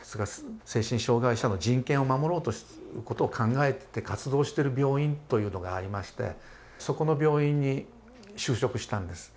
精神障害者の人権を守ろうということを考えて活動している病院というのがありましてそこの病院に就職したんです。